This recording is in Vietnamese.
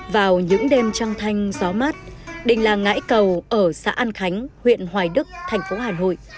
vào những đêm trăng thanh gió mát đình làng ngãi cầu ở xã an khánh huyện hoài đức thành phố hà nội